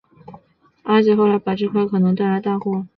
阿杰后来把这块可能带来大祸的玉牌扔进了海水里。